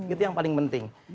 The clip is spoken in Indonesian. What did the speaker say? itu yang paling penting